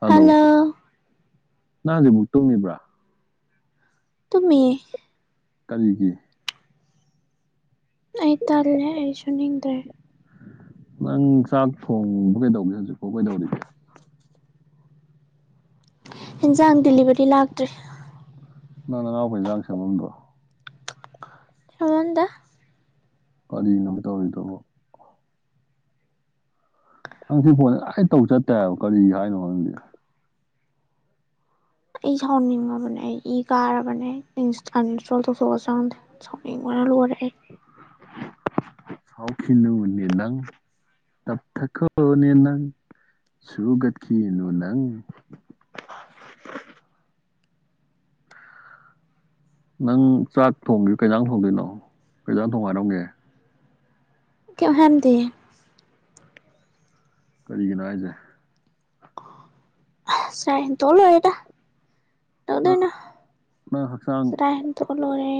hello ꯅꯥ ꯍꯧꯖꯤꯛꯄꯨ ꯇꯨꯝꯃꯤꯕ꯭ꯔꯥ ꯇꯨꯝꯃꯤꯌꯦ ꯀꯔꯤꯒꯤ ꯑꯩ ꯇꯜꯂꯦ ꯑꯩ ꯁꯨꯨꯅꯤꯡꯗ꯭ꯔꯦ ꯅꯪ ꯆꯥꯛ ꯊꯣꯡꯕ ꯀꯩꯗꯧꯒꯦ ꯍꯧꯖꯤꯛꯐꯥꯎ ꯀꯩꯗꯧꯔꯤꯒꯦ ꯑꯦꯟꯁꯥꯡ ꯗꯤꯂꯤꯚꯔꯤ ꯂꯥꯛꯇ꯭ꯔꯤ ꯅꯪ ꯅꯅꯥꯎꯄ ꯏꯟꯁꯥꯡ ꯁꯦꯝꯂꯝꯗ꯭ꯔꯣ ꯁꯦꯝꯍꯜꯗꯦ ꯀꯔꯤꯅꯣꯕ ꯇꯧꯔꯤꯗꯨꯕꯣ ꯅꯪꯁꯤ ꯐꯣꯟ ꯉꯁꯥꯢ ꯇꯧ ꯆꯠꯇꯦ ꯍꯥꯢꯕ ꯀꯔꯤ ꯍꯥꯏꯅꯣ ꯈꯪꯗꯦ ꯑꯩ ꯁꯥꯎꯅꯤꯡꯉꯕꯅꯦ ꯑꯩ ꯏ ꯀꯥꯔꯕꯅꯦ ꯏꯟꯁꯇ ꯎꯟꯁ꯭ꯇꯣꯜ ꯇꯧꯊꯣꯛꯑꯁꯤꯔ ꯈꯪꯗꯦ ꯁꯥꯎꯅꯤꯡꯕ ꯑꯩ ꯂꯣꯔꯦ ꯑꯩ ꯁꯥꯎ ꯈꯤꯅꯨꯅꯦ ꯅꯪ ꯇꯞꯊꯈꯣꯅꯦ ꯅꯪ ꯁꯨꯒꯠꯈꯤꯅꯨ ꯅꯪ ꯅꯪ ꯆꯥꯛ ꯊꯣꯡꯒꯤ ꯀꯩꯖꯥꯡ ꯊꯣꯡꯗꯣꯏꯅꯣ ꯀꯩꯖꯥꯡ ꯊꯣꯡꯉꯨ ꯍꯥꯏꯔꯝꯒꯦ ꯀꯦꯝꯍꯥꯢꯔꯝꯗꯦꯍꯦ ꯀꯔꯤꯒꯤꯅꯣ ꯍꯥꯏꯁꯦ ꯆꯥꯔ ꯍꯦꯟꯇꯣꯛꯑ ꯂꯣꯢꯔꯦꯗ ꯅꯪ ꯀꯩꯗꯧꯗꯣꯏꯅꯣ ꯅꯪ ꯍꯛꯆꯥꯡ ꯆꯔꯥ ꯍꯦꯟꯇꯣꯛꯑ ꯂꯣꯏꯔꯦ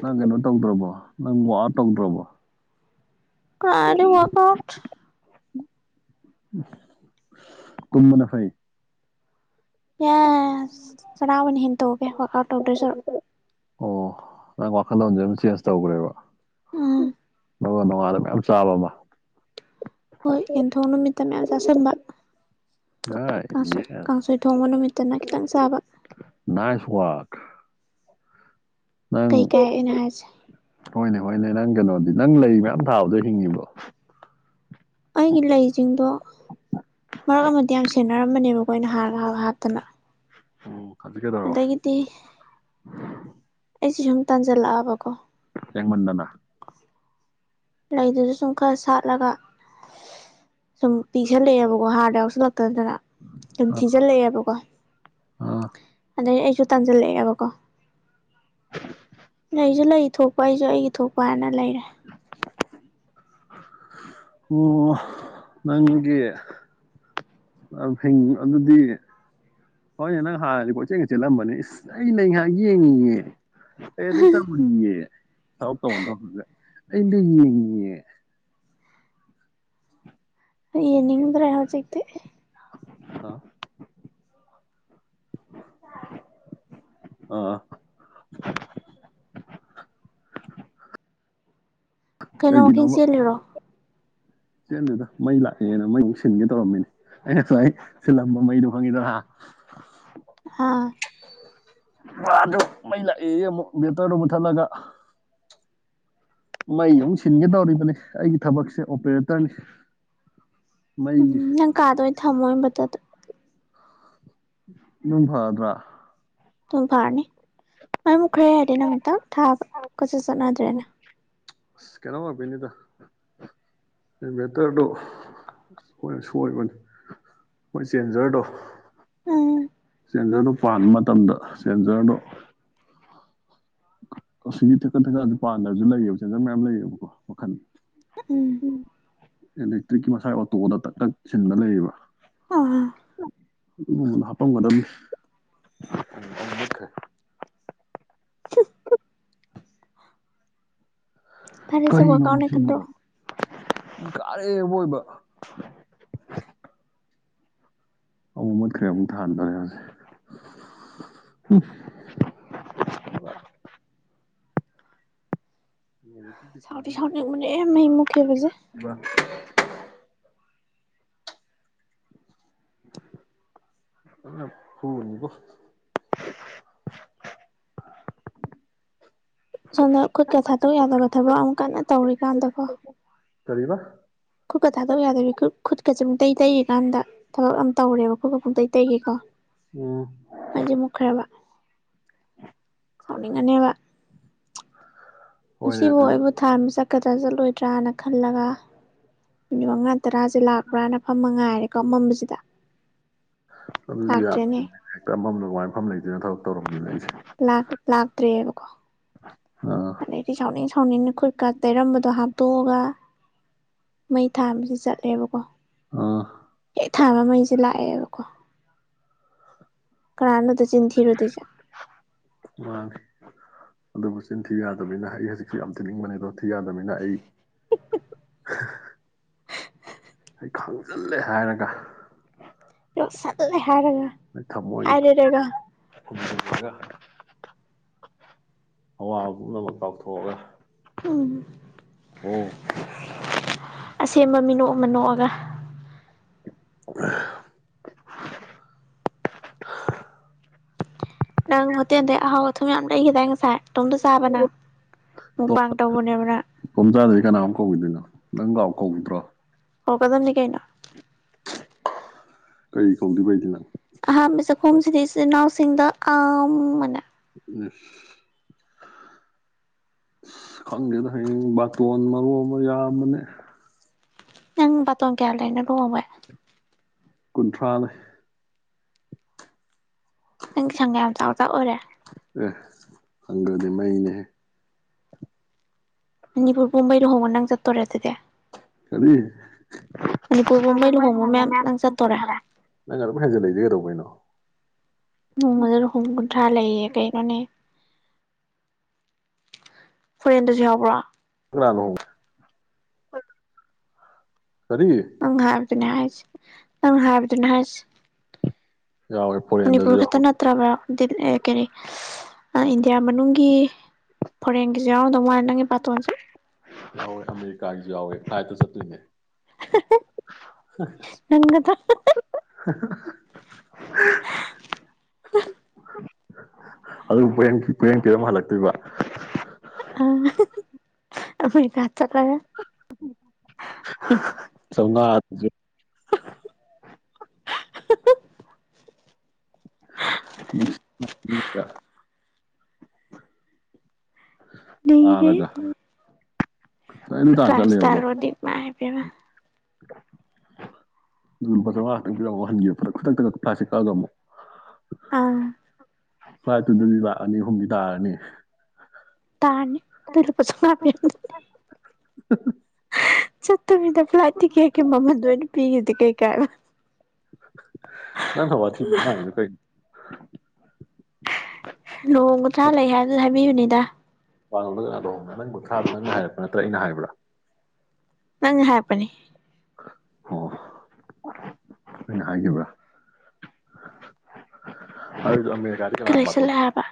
ꯅꯪ ꯀꯩꯅꯣ ꯇꯧꯗ꯭ꯔꯕꯣ ꯅꯪ ꯋꯥꯛ ꯑꯥꯎꯠ ꯇꯧꯗ꯭ꯔꯕꯣ ꯀꯔꯥꯏꯗꯩ ꯋꯥꯛ ꯑꯥꯎꯠ ꯇꯨꯝꯕꯅ ꯐꯩ ꯌꯦꯁ ꯆꯥꯔ ꯑꯣꯏꯅ ꯍꯦꯟꯇꯣꯛꯑꯒꯦ ꯋꯥꯛꯑꯥꯎꯠ ꯇꯧꯗꯣꯏ ꯁꯔꯨꯛ ꯑꯣ ꯅꯪ ꯋꯥꯈꯜꯗꯂꯣꯟꯁꯦ ꯃꯨꯛ ꯆꯦꯟꯖ ꯇꯧꯈ꯭ꯔꯦꯕ ꯎꯝ ꯑꯗꯨꯒ ꯅꯣꯡꯉꯥꯜꯒ ꯃꯌꯥꯝ ꯆꯥꯕ ꯑꯃ ꯍꯣꯏ ꯌꯦꯟꯊꯣꯡ ꯅꯨꯃꯤꯠꯇ ꯃꯌꯥꯝ ꯆꯥꯁꯤꯟꯕ ꯌꯥꯏ ꯀꯥꯡ ꯌꯦꯁ ꯀꯥꯡꯁꯣꯏ ꯊꯣꯡꯕ ꯅꯨꯃꯤꯠꯇꯅ ꯈꯤꯇꯪ ꯆꯥꯕ ꯅꯥꯏꯁ ꯋꯥꯛ ꯅꯪ ꯀꯩ ꯀꯥꯏ ꯑꯩꯅ ꯍꯥꯏꯁꯦ ꯍꯣꯏꯅꯦ ꯍꯣꯏꯅꯦ ꯅꯪ ꯀꯩꯅꯣꯗꯤ ꯅꯪ ꯂꯩ ꯃꯌꯥꯝ ꯊꯥꯕꯗꯣ ꯍꯤꯡꯉꯤꯕꯣ ꯑꯩꯒꯤ ꯂꯩꯁꯤꯡꯗꯣ ꯃꯔꯛ ꯑꯃꯗꯤ ꯌꯥꯝ ꯁꯦꯟꯅꯔꯝꯕꯅꯦꯕ ꯀꯣ ꯑꯩꯅ ꯍꯥ ꯍꯥꯞꯍꯥꯞꯇꯅ ꯑꯣ ꯍꯧꯖꯤꯛ ꯀꯩꯗꯧꯔꯕ ꯑꯩꯁꯦ ꯁꯨꯝ ꯇꯟꯖꯤꯜꯂꯛꯑꯕꯀꯣ ꯁꯦꯡꯃꯟꯗꯅ ꯂꯩꯗꯨꯁꯨ ꯁꯨꯝ ꯈꯥꯔ ꯁꯥꯠꯂꯒ ꯁꯨꯝ ꯄꯤꯛꯁꯤꯜꯂꯛꯑꯦꯕꯀꯣ ꯍꯥꯔꯗꯣ ꯌꯥꯎꯁꯤꯜ ꯇꯗꯅ ꯑꯗꯨꯝ ꯑ ꯊꯤꯖꯤꯜꯂꯛꯑꯦꯕꯀꯣ ꯑꯥ ꯑꯗꯩ ꯑꯩ ꯁꯨ ꯇꯟꯖꯜꯂꯛ ꯑꯦꯕꯀꯣ ꯂꯩꯁꯨ ꯂꯩ ꯊꯣꯛꯄ ꯑꯩꯁꯨ ꯑꯩꯒꯤ ꯊꯣꯛꯄ ꯍꯥꯏꯅ ꯂꯩꯔꯦ ꯑꯣ ꯅꯪꯒꯤ ꯥꯌꯥꯝ ꯐꯩ ꯑꯗꯨꯗꯤ ꯍꯣꯏꯅꯦ ꯅꯪ ꯍꯥꯟꯅꯗꯤ ꯀꯣꯏꯆꯦꯟꯒ ꯆꯤꯜꯂꯝꯕꯅꯦ ꯏꯁ ꯑꯩ ꯂꯩ ꯉꯥꯏꯍꯥꯛ ꯌꯦꯡꯉꯤꯒꯦ ꯑꯩ ꯑꯗꯨ ꯇꯧꯔꯤꯌꯦ [unintelligible] ꯑꯩ ꯂꯩ ꯌꯦꯡꯉꯤꯌꯦ ꯂꯩ ꯌꯦꯡꯅꯤꯡꯗ꯭ꯔꯦ ꯍꯧꯖꯤꯛꯇꯤ [unintelligible] ꯑꯥ [inaudible] ꯀꯩꯅꯣ ꯅꯪ ꯋꯥꯀꯤꯡ ꯀꯩꯒꯤꯅꯣꯕ ꯆꯦꯜꯂꯤꯔꯣ ꯆꯦꯟꯗꯦꯗ ꯃꯩ ꯂꯥꯛꯑꯦꯅ ꯃꯩ ꯃꯨꯛ ꯁꯤꯟꯒꯦ ꯇꯧꯔꯝꯃꯤꯅꯦ ꯑꯩꯅ ꯉꯁꯥꯏ ꯁꯤꯜꯂꯝꯕ ꯃꯩꯗꯨ ꯈꯪꯉꯤꯗꯅ [inaudible] ꯑꯥ ꯋꯥꯗꯨ ꯃꯩ ꯂꯥꯛꯑꯦꯌꯦ ꯑꯃꯨꯛ ꯕꯦꯇ꯭ꯔꯗꯨ ꯃꯨꯊꯠꯂꯒ ꯃꯩ ꯑꯃꯨꯛ ꯁꯤꯟꯒꯦ ꯇꯧꯔꯤꯕꯅꯤ ꯑꯩꯒꯤ ꯊꯕꯛꯁꯦ ꯑꯣꯄ꯭ꯔꯦꯇꯔꯅꯤ ꯎꯝ ꯅꯪ ꯀꯥꯗ ꯑꯣꯏꯅ ꯊꯝꯃꯣ ꯏꯟꯚꯥꯏꯇ꯭ꯔꯗꯣ ꯑꯗꯨ ꯐꯔꯗ꯭ꯔꯥ ꯑꯗꯨꯝ ꯐꯥꯔꯅꯤ ꯃꯩ ꯃꯨꯛꯈ꯭ꯔꯦ ꯍꯥꯏꯔꯗꯤ ꯅꯪꯅ ꯗꯛ ꯊꯥꯕ ꯀꯣꯏꯆꯠ ꯆꯠꯅꯗ꯭ꯔꯦꯅ ꯑꯁ ꯀꯩꯅꯣ [unintelligible] ꯏꯟꯚꯦꯇꯔꯗꯣ ꯑꯈꯣꯏꯅ ꯁꯣꯏꯕꯅꯤ ꯃꯣꯏ ꯆꯦꯟꯖꯔꯗꯣ ꯎꯝ ꯆꯦꯟꯖꯔꯗꯣ ꯄꯥꯟꯕ ꯃꯇꯝꯗ ꯆꯦꯟꯖꯔꯗꯣ ꯑꯁꯤꯒꯤ ꯊꯛꯀꯠ ꯊꯛꯇꯦꯗꯨ ꯄꯥꯟꯗꯕꯁꯨ ꯂꯩꯌꯦꯕ ꯆꯦꯟꯖꯔ ꯃꯌꯥꯝ ꯂꯩꯌꯦꯕꯀꯣ ꯃꯈꯜ ꯎꯝ ꯏꯂꯦꯛꯇ꯭ꯔꯤꯛꯀꯤ ꯃꯁꯥꯏ ꯑꯣꯇꯣꯗ ꯇꯛ ꯇꯛ ꯁꯤꯟꯕ ꯂꯩꯌꯦꯕ ꯑꯥ ꯑꯗꯨꯒꯨꯝꯕꯗꯣ ꯍꯥꯄꯝꯒꯗꯝꯃꯤ ꯑꯃꯨꯛ ꯃꯨꯠꯈ꯭ꯔꯦ ꯍꯝ ꯐꯔꯦꯁꯦ ꯀꯔꯤꯅꯣ ꯋꯥꯛꯑꯥꯎꯠꯅꯦ ꯈꯟꯗꯣꯛꯑꯣ ꯅꯆꯤꯟꯗꯨꯕꯣ ꯏꯀꯥꯔꯦ ꯑꯑꯣꯏꯕ ꯑꯃꯨꯛ ꯃꯠꯈ꯭ꯔꯦ ꯑꯃꯨꯛ ꯊꯥꯟꯗꯣꯔꯦ ꯍꯧꯖꯤꯛ [inaudible] ꯉꯁꯤꯗꯤ ꯁꯥꯎꯗꯤ ꯏꯕꯥꯅꯤ ꯁꯥꯎꯅꯤꯡꯕꯅꯦ ꯃꯩ ꯃꯨꯠꯈꯤꯕꯁꯦ ꯏꯕꯥꯅꯤ [inaudible] ꯐꯖꯅ ꯐꯨꯔꯅꯤꯕꯨ [inaudible] ꯁꯣꯝꯗ ꯈꯨꯠꯀ ꯊꯥꯗꯣꯛ ꯌꯥꯗꯕ ꯊꯕꯛ ꯑꯃ ꯀꯟꯅ ꯇꯧꯔꯤꯀꯥꯟꯗꯀꯣ ꯀꯔꯤꯕ ꯈꯨꯠꯀ ꯊꯥꯗꯣꯛ ꯌꯥꯗꯕꯤ ꯈꯨꯠ ꯈꯨꯠꯀꯁꯦ ꯄꯨꯡꯇꯩ ꯇꯩꯌꯦꯀꯥꯟꯗ ꯊꯕꯛ ꯑꯃ ꯇꯧꯔꯦꯕ ꯈꯨꯠꯀ ꯄꯨꯡꯇꯩ ꯇꯩꯒꯩꯀꯣ ꯎꯝ ꯃꯩꯖꯦ ꯃꯨꯠꯈ꯭ꯔꯦꯕ ꯁꯥꯎꯅꯤꯡꯉꯅꯦꯕ ꯍꯣꯏꯅꯦ ꯉꯁꯤꯕꯨ ꯑꯗꯨ ꯑꯩꯕꯨ ꯊꯥꯟꯕ ꯆꯠꯀꯗ꯭ꯔꯥ ꯆꯠꯂ ꯂꯣꯏꯗ꯭ꯔꯥꯅ ꯈꯜꯂꯒ ꯃꯤꯅꯤꯠ ꯃꯉꯥ ꯇꯔꯥꯁꯦ ꯂꯥꯛꯄ꯭ꯔꯥꯅ ꯐꯝ ꯉꯥꯏꯔꯦ ꯀꯝ ꯃꯝꯕꯁꯤꯗ ꯑꯗꯨꯗꯤ ꯌꯥꯗꯦꯅꯦ ꯍꯦꯛꯇ ꯑꯃꯝꯕꯗꯨꯗ ꯀꯃꯥꯏ ꯐꯝꯃ ꯂꯩꯗꯣꯏꯅꯣ ꯊꯕꯛ ꯇꯧꯔꯝꯃꯤꯕ ꯑꯩꯁꯦ ꯂꯥꯛ ꯂꯥꯛꯇ꯭ꯔꯦꯕꯀꯣ ꯑꯥ ꯑꯗꯩꯗꯤ ꯁꯥꯎꯅꯤꯡ ꯁꯥꯎꯅꯤꯡꯅ ꯈꯨꯠ ꯀ ꯇꯩꯔꯝꯕꯗꯣ ꯍꯥꯞꯇꯣꯛꯑꯒ ꯃꯩ ꯊꯥꯟꯕꯁꯦ ꯆꯠꯂꯦꯕꯀꯣ ꯑ ꯍꯦꯛꯊꯥꯟꯕ ꯃꯩꯁꯦ ꯂꯥꯛꯑꯦꯕꯀꯣ ꯀꯅꯥꯅꯣꯗ ꯆꯤꯟꯊꯤꯔꯣꯏꯗꯣꯏꯖꯦ ꯃꯥꯅꯤ ꯑꯗꯨꯕꯨ ꯆꯤꯟꯊꯤ ꯌꯥꯗꯕꯅꯤꯅ ꯑꯩ ꯍꯧꯖꯤꯛꯇꯤ ꯌꯥꯝ ꯊꯤꯅꯤꯡꯕꯅꯦ ꯑꯗꯣ ꯊꯤ ꯌꯥꯗꯕꯅꯤꯅ ꯑꯩ [inaudible] ꯈꯥꯡꯖꯤꯜꯂꯦ ꯍꯥꯏꯔꯒ ꯁꯜꯂꯦ ꯍꯥꯏꯔꯒ ꯑꯩ ꯊꯃꯣꯏꯗ ꯍꯥꯏꯔꯔꯒ [inaudible] ꯑꯋꯥꯕ ꯄꯨꯝꯅꯃꯛ ꯀꯥꯎꯊꯣꯛꯑꯒ ꯎꯝ ꯑꯣ ꯑꯁꯦꯡꯕ ꯃꯤꯅꯣꯛꯑ ꯑꯃ ꯅꯣꯛꯑꯒ [unintelligible] ꯅꯪ ꯍꯣꯇꯦꯟꯗꯩ ꯑꯍꯥꯎꯑꯊꯨꯝ ꯌꯥꯝ ꯂꯩꯒꯤꯗꯥꯏ ꯉꯁꯥꯏ ꯅꯇꯣꯝꯗ ꯆꯥꯕꯅꯪ ꯃꯨꯛ ꯇꯣꯝ ꯄꯥꯡ ꯇꯧꯕꯅꯦꯕꯅꯪ ꯀꯧꯒꯤꯗꯣꯏꯅ ꯅꯪ ꯂꯥꯎ ꯀꯧꯒꯤꯗ꯭ꯔꯣ ꯀꯧꯔꯠꯀꯗꯝꯅꯤ ꯀꯩꯆꯣ ꯀꯔꯤ ꯀꯧꯗꯨꯏꯕ ꯑꯩꯗꯤ ꯅꯪ ꯑꯍꯥꯟꯕ ꯆꯥꯛꯈꯨꯝꯁꯤꯗꯤ ꯏꯆꯤꯟ ꯏꯅꯥꯎꯁꯤꯡꯗ ꯑꯥꯝ ꯑꯅ ꯎꯝ ꯈꯪꯗꯦꯗ ꯍꯌꯦꯡ ꯕꯥꯇꯣꯟ ꯃꯔꯣꯟꯃ ꯌꯥꯝꯕꯅꯦ ꯅꯪ ꯕꯥꯇꯣꯟ ꯀꯌꯥ ꯂꯩꯅꯣ ꯂꯨꯍꯣꯡꯕꯩ ꯀꯨꯟꯊ꯭ꯔꯥ ꯂꯩ ꯅꯪ ꯁꯪꯒ ꯌꯥꯝ ꯆꯥꯎꯖꯥ ꯑꯣꯏꯔꯦ ꯑꯦ ꯁꯪꯒꯗꯤ ꯃꯩꯅꯦꯍꯦ ꯃꯅꯤꯄꯨꯔ ꯄꯨꯝꯕꯩ ꯂꯨꯍꯣꯡꯕ ꯅꯪ ꯆꯠꯇꯣꯔꯦ ꯑꯗꯨꯗꯤ ꯀꯔꯤ ꯃꯅꯤꯄꯨꯔ ꯄꯨꯝꯕꯩ ꯂꯨꯍꯣꯡꯕ ꯃꯌꯥꯝ ꯅꯪ ꯆꯠꯇꯣꯔꯦ ꯅꯪ ꯑꯗꯨꯝ ꯍꯦꯟꯖꯤꯜꯂꯛꯏꯖꯦ ꯀꯩꯗꯧꯕꯩꯅꯣ ꯅꯣꯡꯃꯗ ꯂꯨꯍꯣꯡꯕ ꯀꯨꯟꯊ꯭ꯔꯥ ꯂꯩꯌꯦ ꯀꯩꯅꯣꯅꯦ ꯐꯣꯔꯦꯟꯗꯁꯨ ꯌꯥꯎꯕ꯭ꯔꯣ ꯀꯅ ꯂꯨꯍꯣꯡꯒꯦ ꯀꯔꯤ ꯑꯗꯨꯅꯦ ꯍꯥꯏꯖꯦ ꯅꯪ ꯍꯥꯏꯕꯗꯨꯅꯦ ꯍꯥꯏꯁꯦ ꯌꯥꯎꯋꯦ ꯐꯣꯔꯦꯟꯗꯁꯨ ꯃꯅꯤꯄꯨꯔ ꯈꯇ ꯌꯥꯎꯍꯧꯋꯦ ꯅꯠꯇ꯭ꯔꯕ꯭ꯔꯥ ꯗꯤꯞ ꯑꯦ ꯀꯔꯤ ꯑꯥ ꯏꯟꯗꯤꯌꯥ ꯃꯅꯨꯡꯒꯤ ꯐꯣꯔꯦꯟꯒꯤꯖꯨ ꯌꯥꯎꯔꯝꯗꯧ ꯃꯥꯟ ꯅꯪꯒꯤ ꯕꯥꯇꯣꯟꯖꯦ ꯌꯥꯎꯋꯦ ꯑꯃꯦꯔꯤꯀꯥꯒꯤꯖꯨ ꯌꯥꯎꯋꯦ ꯐ꯭ꯂꯥꯏꯠꯇ ꯆꯠꯇꯣꯏꯅꯦ ꯍ ꯍ ꯅꯪꯒꯗ꯭ꯔꯥ ꯍ ꯍ ꯑꯗꯨꯕꯨ ꯄꯣꯌꯦꯡ ꯄꯣꯌꯦꯡ ꯄꯤꯔꯝꯃ ꯍꯜꯂꯛꯇꯣꯏꯕ ꯑꯐ꯭ꯔꯤꯀꯥ ꯆꯧꯉꯥ ꯑꯗꯨꯖꯨ ꯅꯨꯡꯁꯤꯠꯅ ꯅꯨꯃꯤꯠꯇꯥ ꯄꯥꯔꯒ ꯔꯥꯏꯁꯇꯥꯥꯔꯣꯗꯤ ꯃꯥꯏ ꯄꯦꯝꯃꯥ [inaudible] ꯗꯨꯒ ꯂꯨꯄꯥ ꯆꯧꯉꯥ ꯈꯇꯪ ꯄꯤꯔꯝꯃ ꯍꯟꯒꯤꯕ ꯈꯨꯗꯛꯇꯒ ꯐ꯭ꯂꯥꯏꯠꯁꯦ ꯀꯛꯑꯒ ꯑꯃꯨꯛ ꯑꯥ ꯐ꯭ꯂꯥꯏꯠ ꯇꯨꯗꯗꯤ ꯂꯥꯛ ꯑꯅꯤ ꯍꯨꯝꯗꯤ ꯇꯥꯔꯅꯤ ꯇꯥꯔꯅꯤ ꯇ ꯂꯨꯄꯥ ꯆꯧꯉꯥ ꯄꯤꯔꯝꯗꯨꯗꯤ ꯍ ꯍ ꯆꯠꯇꯕꯤꯗꯥ ꯐ꯭ꯂꯥꯏꯠ ꯇꯤꯛꯀꯦꯠ ꯀꯤ ꯃꯃꯟꯗꯣ ꯑꯣꯏꯅ ꯄꯤꯒꯤꯕꯗꯤ ꯀꯩ ꯀꯥꯏꯕ ꯅꯪꯅ ꯋꯥꯊꯤ ꯉꯥꯡꯉꯤꯗꯣ ꯀꯩ ꯗꯥ ꯋꯥꯉꯜꯕ ꯌꯥꯗ꯭ꯔꯣ ꯅꯪ ꯄꯣꯊꯥꯗꯣ ꯅꯪꯅ ꯍꯥꯏꯔꯛꯄ ꯅꯠꯇ꯭ꯔꯥ ꯑꯩꯅ ꯍꯥꯏꯕ꯭ꯔꯥ ꯅꯪꯅ ꯍꯥꯏꯔꯛꯄꯅꯤ ꯑꯣ ꯑꯩꯅ ꯍꯥꯏꯒꯤꯕ꯭ꯔꯥ ꯑꯗꯨꯖꯨ ꯑꯃꯦ ꯀꯗꯥꯢ ꯆꯠꯂꯦ ꯍꯥꯏꯕꯥ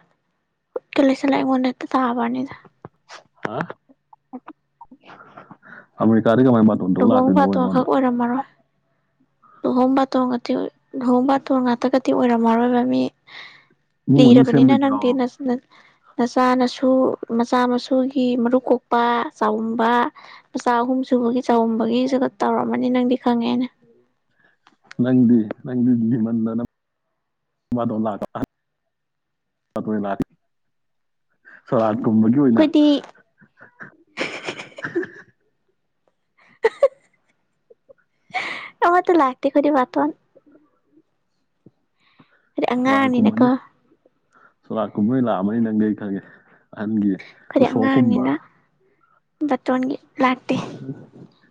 ꯀ ꯂꯩꯁꯤꯜꯂꯦ ꯑꯩꯉꯣꯟꯗ ꯇ ꯇꯥꯕꯋꯥꯅꯤꯗ ꯍꯥ ꯑꯝꯦꯔꯤꯀꯥ ꯀꯩ ꯀꯃꯥꯏꯅ ꯕꯥꯇꯣꯟ ꯇꯧ ꯂꯨꯍꯣꯡ ꯂꯥꯛꯇꯣꯏꯅꯣꯕ ꯕꯥꯇꯣꯟ ꯑꯩꯉꯣꯟꯗ ꯈꯛ ꯑꯣꯏꯔꯝꯃꯔꯣꯏ ꯂꯨꯍꯣꯡ ꯕꯥꯇꯣꯟ ꯉꯇꯤ ꯂꯨꯍꯣꯡ ꯕꯥꯇꯣꯟ ꯉꯥꯇꯒꯗꯤ ꯑꯣꯏꯔꯝꯃꯔꯣꯏꯕ ꯃꯤ ꯏꯃꯨꯡ ꯃꯅꯨꯡ ꯂꯤꯔꯕꯅꯤꯅ ꯁꯦꯝꯕꯩꯁꯨ ꯅꯪ ꯗꯤ ꯌꯥꯎꯔꯕ ꯅꯆ ꯅ ꯃꯆꯥ ꯅꯁꯨ ꯃꯆꯥ ꯃꯁꯨꯒꯤ ꯃꯔꯨ ꯀꯣꯛꯄ ꯆꯥꯎꯝꯕ ꯃꯆꯥ ꯑꯍꯨꯝꯁꯨ ꯕꯨꯡꯉꯣꯒꯤ ꯆꯥꯎꯝꯕꯒꯤꯖꯨꯒ ꯇꯧꯔꯝꯃꯅꯤ ꯅꯪꯗꯤ ꯈꯪꯉꯦ ꯑꯩꯅ ꯅꯪꯗꯤ ꯅꯪꯗꯤ ꯂꯤꯃꯟꯗꯅ ꯕꯥꯗꯣꯟ ꯂꯥꯛꯄꯀꯥꯟꯗ ꯑꯈꯣꯢ ꯂꯥꯛꯑꯗꯤ ꯁꯣꯔꯥꯠ ꯀꯨꯝꯕꯒꯤ ꯑꯣꯏꯅ ꯑꯩꯈꯣꯏꯗꯤ ꯑꯃꯥꯠ ꯇ ꯂꯥꯛꯇꯦ ꯈꯣꯏꯗꯤ ꯕꯥꯇꯣꯟ ꯗꯤ ꯑꯉꯥꯡꯅꯤꯅꯀꯣ ꯁꯣꯔꯥꯠ ꯀꯨꯝꯕꯩ ꯂꯥꯛꯑꯃꯅꯤ ꯅꯪꯗꯤ ꯑꯩ ꯈꯪꯉꯦ ꯑꯍꯟꯒꯤ ꯎꯁꯣꯞꯀꯨꯝꯕ ꯗꯇꯣꯟꯒꯤ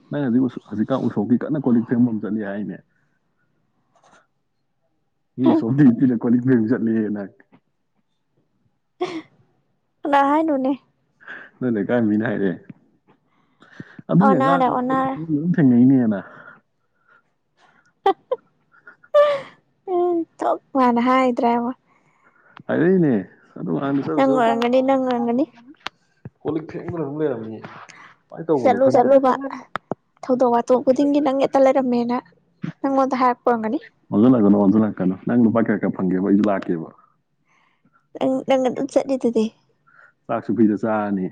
ꯅꯪ ꯅꯪ ꯍꯧꯖꯤꯛ ꯍꯧꯖꯤꯛꯀꯥꯟ ꯎꯁꯣꯞꯀꯤ ꯀꯟꯅ ꯀꯣꯂꯤꯛ ꯐꯦꯡꯕ ꯑꯃ ꯆꯠꯂꯤ ꯍꯥꯏꯅꯦ ꯃꯤ ꯎꯁꯣꯞ ꯊꯤꯔ ꯊꯤꯔ ꯀꯣꯂꯤꯛ ꯐꯦꯡ ꯆꯠꯂꯦ ꯅꯪ ꯀꯅꯥ ꯍꯥꯏꯅꯣꯅꯦ ꯅꯣꯢ ꯂꯩꯀꯥꯏ ꯃꯤꯅ ꯍꯥꯏꯔꯛꯑꯦ ꯑꯗꯨꯒꯤ ꯑꯣꯟꯅꯔꯦ ꯑꯉꯥꯡꯗꯣ ꯑꯗꯨꯝ ꯀꯣꯂꯤꯛ ꯑꯣꯟꯅꯔꯦ ꯐꯦꯡꯕꯝꯗ ꯑꯗꯨꯝ ꯊꯦꯡꯅꯩꯅꯦ ꯅ ꯎꯝ ꯑꯣꯟꯊꯣꯛ ꯃꯥꯅ ꯍꯥꯏꯗ꯭ꯔ ꯌꯦꯡꯎ ꯍꯥꯢꯔꯛꯏꯅꯦ ꯑꯗꯨ ꯑꯉꯥꯡꯗꯨ ꯆꯠꯂꯨ ꯑꯣꯏꯔꯝꯒꯅꯤ ꯆꯠꯂꯨ ꯅꯪ ꯑꯣꯏꯔꯝꯒꯅꯤ ꯀꯣꯂꯤꯛ ꯐꯦꯡꯉ ꯑꯗꯨꯝ ꯂꯩꯔꯝꯅꯤꯌꯦ ꯆꯠꯂꯨ ꯆꯠꯂꯨꯕ ꯊꯧꯗꯣꯛ ꯋꯥꯊꯣꯛ ꯈꯨꯗꯤꯡꯒꯤ ꯅꯪ ꯍꯦꯛꯇ ꯂꯩꯔꯝꯃꯦꯅ ꯅꯪꯉꯣꯟꯗ ꯍꯥꯏꯔꯛꯄ ꯑꯣꯏꯔꯝꯒꯅꯤ ꯃꯪꯉꯟꯂꯛꯀꯅꯣ ꯑꯣꯟꯁꯤꯜꯂꯛꯀꯅꯣ ꯅꯪ ꯂꯨꯄꯥ ꯀꯌꯥ ꯀꯌꯥ ꯐꯪꯒꯦꯕ ꯑꯩꯁꯨ ꯂꯥꯛꯀꯦꯕ ꯅꯪ ꯅꯪ ꯑꯗꯨꯝ ꯆꯠꯂꯤꯗꯨꯗꯤ ꯆꯥꯛꯁꯨ ꯐ꯭ꯔꯤꯗ ꯆꯥꯔꯅꯤ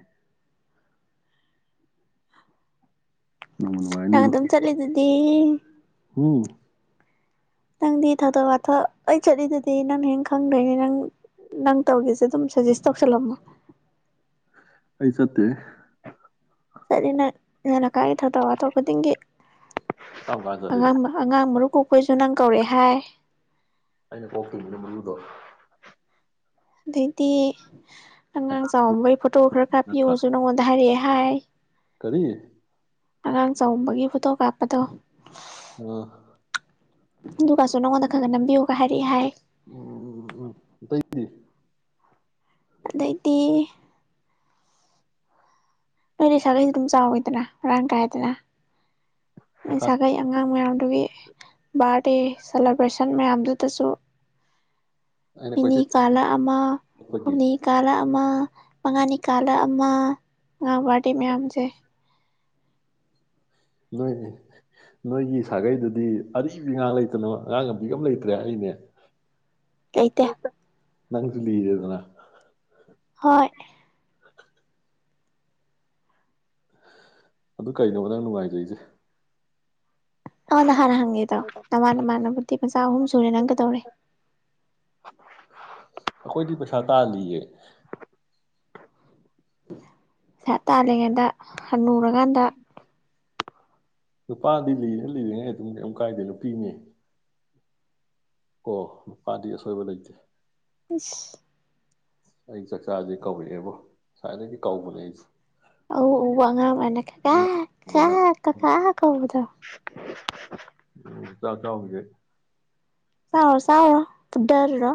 ꯅꯣꯡꯃ ꯅꯪ ꯑꯗꯨꯝ ꯆꯠꯂꯤꯗꯨꯗꯤ ꯍꯝ ꯅꯪꯗꯤ ꯊꯥꯗꯣꯛ ꯋꯥꯊꯣꯛ ꯂꯣꯢ ꯆꯠꯂꯤꯗꯨꯗꯤ ꯅꯪ ꯍꯦꯟ ꯈꯪꯒ꯭ꯔꯦꯅꯦ ꯅꯪ ꯅꯪ ꯇꯧꯒꯦꯁꯨ ꯑꯗꯨꯝ ꯁꯖꯦꯁ ꯇꯧꯁꯜꯂꯝꯃꯣ ꯑꯩ ꯆꯠꯇꯦ ꯆꯠꯂꯤ ꯅꯪ ꯅꯣꯢ ꯂꯩꯀꯥꯏꯒꯤ ꯊꯧꯗꯣꯛ ꯋꯥꯊꯣꯛ ꯈꯨꯗꯤꯡꯒꯤ ꯀꯔꯝ ꯀꯥꯟ ꯆꯠꯂꯤꯕ ꯑꯉꯥꯡ ꯑꯉꯥꯡ ꯃꯔꯨ ꯀꯣꯛꯄ ꯩꯁꯨ ꯅꯪ ꯀꯧꯔꯛꯑꯦ ꯍꯥꯏ ꯑꯩꯅ ꯀꯣꯛꯇꯣꯢꯅꯤꯅ ꯃꯔꯨꯗꯣ ꯑꯗꯩꯗꯤ ꯑꯉꯥꯡ ꯆꯥꯎꯝꯕꯩ ꯐꯣꯇꯣ ꯈꯔ ꯅꯠꯇ꯭ꯔꯥ ꯀꯥꯞꯄꯤꯌꯣꯁꯨ ꯅꯉꯣꯟꯗ ꯍꯥꯏꯔꯛꯑꯦ ꯍꯥꯏ ꯔꯤ ꯑꯉꯥꯡ ꯆꯥꯎꯝꯕꯒꯤ ꯐꯣꯇꯣ ꯀꯥꯞꯄꯗꯣ ꯑꯣ ꯑꯗꯨꯒꯀꯁꯨ ꯅꯉꯣꯟꯗ ꯈꯔ ꯈꯔ ꯅꯝꯕꯤꯌꯨꯒ ꯍꯥꯏꯔꯛꯏ ꯍꯥꯏ ꯎꯝ ꯎꯝ ꯎꯝ ꯑꯇꯩꯗꯤ ꯑꯗꯩꯗꯤ ꯅꯣꯏ ꯂꯩ ꯁꯥꯒꯩꯁꯨ ꯑꯗꯨꯝ ꯆꯥꯎꯋꯦꯗꯅ ꯃꯔꯥꯡ ꯀꯥꯏꯗꯅ ꯅꯣꯏ ꯁꯥꯒꯩ ꯑꯉꯥꯡ ꯃꯌꯥꯝ ꯑꯗꯨꯒꯤ ꯕꯥꯔꯗꯦ ꯁꯦꯂꯦꯕ꯭ꯔꯦꯁꯟ ꯃꯌꯥꯝꯗꯨꯗꯁꯨ ꯑꯩꯅ ꯅꯤꯅꯤ ꯀꯣꯏꯆꯦꯜ ꯆꯦꯜꯂꯤ ꯀꯥꯂꯛ ꯑꯃ ꯍꯨꯝꯅꯤ ꯀꯥꯂ ꯑꯃ ꯑꯃ ꯃꯉꯥꯅꯤ ꯀꯥꯜꯂ ꯑꯃ ꯑꯉꯥꯡ ꯕꯥꯔꯗꯦ ꯃꯌꯥꯝꯁꯦ ꯅꯣꯏꯒꯤ ꯅꯣꯏꯒꯤ ꯁꯥꯒꯩꯗꯨꯗꯤ ꯑꯔꯤꯕꯤ ꯉꯥꯛ ꯂꯩꯗꯅ ꯑꯉꯥꯡ ꯅꯨꯕꯤꯒ ꯑꯝ ꯂꯩꯇ꯭ꯔꯦ ꯍꯥꯢꯅꯦ ꯂꯩꯇꯦ ꯅꯪꯁꯨ ꯂꯤꯔꯦꯗꯅꯥ ꯍꯣꯏ ꯑꯗꯨ ꯀꯩꯅꯣꯕ ꯅꯪ ꯅꯨꯡꯉꯥꯏꯖꯔꯤꯁꯦ ꯑꯩꯉꯣꯟꯗ ꯍꯥꯟꯅ ꯍꯪꯉꯤꯗꯣ ꯅꯃꯥꯟ ꯅꯃꯥꯅꯕꯗꯤ ꯃꯆꯥ ꯑꯍꯨꯝ ꯁꯨꯔꯦ ꯅꯪ ꯀꯩꯗꯧꯔꯤ ꯑꯩꯈꯣꯏꯗꯤ ꯄꯩꯁꯥ ꯇꯥꯜꯂꯤꯌꯦ ꯄꯩꯁ ꯇꯥꯂꯥꯤꯤꯉꯩꯩꯗ ꯍꯅꯨꯔꯀꯥꯟꯗ ꯅꯨꯄꯥꯗꯤ ꯂꯤꯔꯤ ꯂꯤꯔꯤꯉꯩ ꯑꯗꯨꯝ ꯀꯩꯝ ꯀꯥꯏꯗꯦ ꯅꯨꯄꯤꯅꯤ ꯑꯣ ꯅꯨꯄꯥꯗꯤ ꯑꯁꯣꯏꯕ ꯂꯩꯇꯦ ꯏꯁ ꯑꯩ ꯆꯥꯛꯆꯥꯁꯦ ꯀꯧꯔꯛꯑꯦꯕꯣ ꯉꯁꯥꯏꯗꯒꯤ ꯀꯧꯕꯅꯦ ꯑꯩꯁꯦ ꯑꯎ ꯑꯎꯕ ꯑꯉꯥꯡ ꯑꯃꯅ ꯀꯥꯀ ꯀꯥꯀꯥ ꯀꯀꯥ ꯀꯧꯕꯗꯣ ꯆꯥꯛ ꯆꯥꯎꯒꯤꯒꯦ ꯆꯥꯎꯔꯣ ꯆꯥꯎꯔꯣ ꯐꯨꯗꯔꯨꯔꯣ